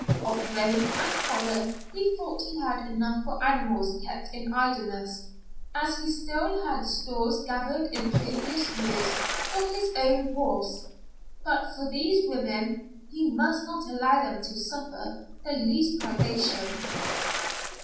Of grain and fodder he thought he had enough for animals kept in idleness, as he still had stores gathered in previous years for his own horse. But for these women, he must not allow them to suffer the least privation.